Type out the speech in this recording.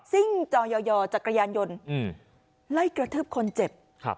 ซิ่งจอยอยอจากกระยานยนต์อืมไล่กระทืบคนเจ็บครับ